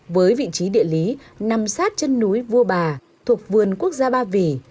với vị trí địa lý nằm sát chân núi vua bà thuộc vườn quốc gia ba vì